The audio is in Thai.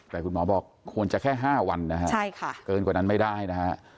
แต่คุณหมอบอกควรจะแค่๕วันนะฮะเกินกว่านั้นไม่ได้นะฮะ